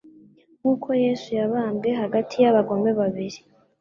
Nk'uko Yesu yabambwe hagati y'abagome babiri,